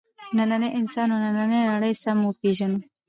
نننی انسان او نننۍ نړۍ سم وپېژنو.